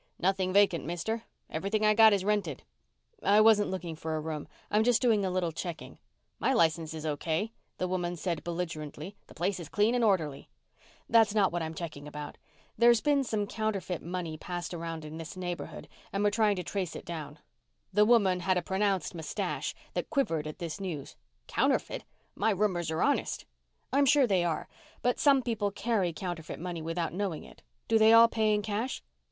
"Nothing vacant, mister. Everything I've got is rented." "I wasn't looking for a room. I'm just doing a little checking." "My license is okay," the woman said belligerently. "The place is clean and orderly." "That's not what I'm checking about. There's been some counterfeit money passed in this neighborhood and we're trying to trace it down." The woman had a pronounced mustache that quivered at this news. "Counterfeit! My roomers are honest." "I'm sure they are. But some people carry counterfeit money without knowing it. Do they all pay in cash?"